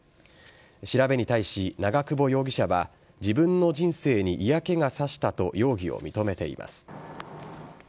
調べに対し、長久保容疑者は自分の人生に嫌気が差したと容疑を認めています。